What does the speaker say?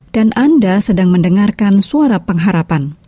dan anda sedang mendengarkan suara pengharapan